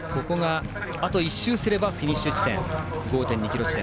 あと１周すればフィニッシュ地点５．２ｋｍ地点。